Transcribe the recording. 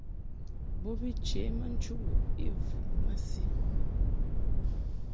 Bo bi chě ma nchubuʼ i vu masi.